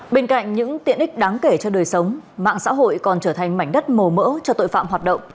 bên cạnh những tiện ích đáng kể cho đời sống mạng xã hội còn trở thành mảnh đất màu mỡ cho tội phạm hoạt động